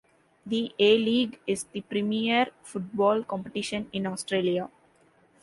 The A-League is the premier football competition in Australia.